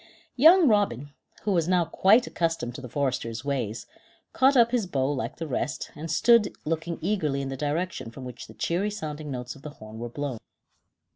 Young Robin, who was now quite accustomed to the foresters' ways, caught up his bow like the rest, and stood looking eagerly in the direction from which the cheery sounding notes of the horn were blown.